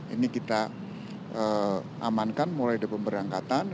ini kita amankan mulai dari pemberangkatan